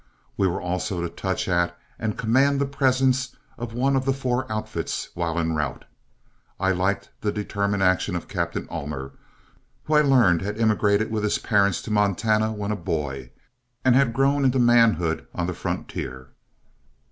We were also to touch at and command the presence of one of the four outfits while en route. I liked the determined action of Captain Ullmer, who I learned had emigrated with his parents to Montana when a boy, and had grown into manhood on the frontier.